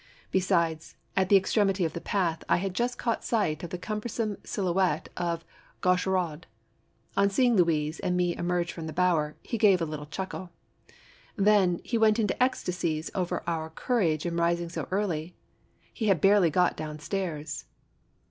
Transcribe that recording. Besides, at the extremity of the path, I had just caught sight of the cumbersome silhouette of Gaucher aud. On seeing Louise and me emerge from the bower, he gave a little chuckle. Then, he went into ecstasies over our courage in rising so early. He had barely got down stairs.